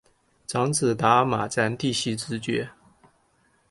长子达尔玛咱第袭职爵。